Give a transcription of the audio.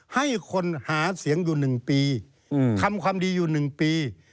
ให้คนหาเสียงอยู่หนึ่งปีทำความดีอยู่หนึ่งปี